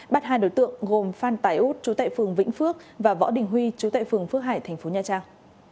bắt hai đối tượng gồm phan tài út chú tại phường vĩnh phước và võ đình huy chú tại phường phước hải thành phố nha trang